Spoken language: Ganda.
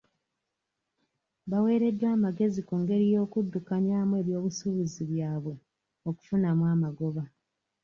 Bawereddwa amagezi ku ngeri yokuddukanyamu eby'obusuubuzi byabwe okufunamu amagoba.